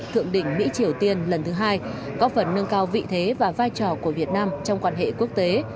có phần nâng cao vị thế và vai trò của việt nam trong quan hệ quốc tế